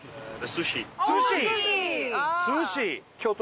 寿司！